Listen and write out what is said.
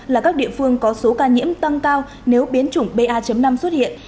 là các địa phương có số ca nhiễm tăng cao nếu biến chủng ba năm xuất hiện